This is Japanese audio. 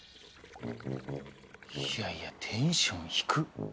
いやいやテンション低っ。